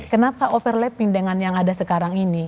kenapa overlapping dengan yang ada sekarang ini